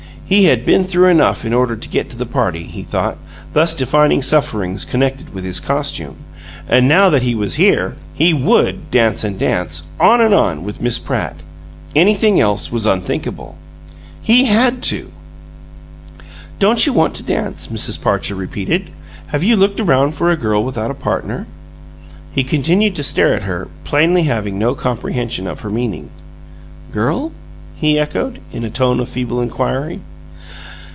He had "been through enough" in order to get to the party, he thought, thus defining sufferings connected with his costume, and now that he was here he WOULD dance and dance, on and on, with Miss Pratt. Anything else was unthinkable. He HAD to! "Don't you want to dance?" Mrs. Parcher repeated. "Have you looked around for a girl without a partner?" He continued to stare at her, plainly having no comprehension of her meaning. "Girl?" he echoed, in a tone of feeble inquiry.